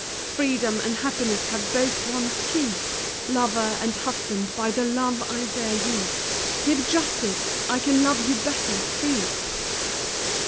Freedom and happiness have both one key! Lover and husband, by the love I bear you, Give justice! I can love you better, free!